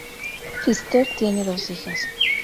Pfister tiene dos hijas.